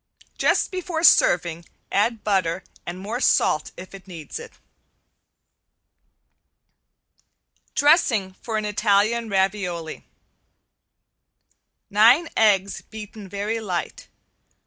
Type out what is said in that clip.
Just before serving add butter and more salt if it needs it. ~DRESSING FOR ITALIAN RAVIOLI~ Nine eggs beaten very light.